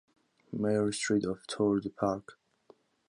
Mare Street of Tour-du-Parc.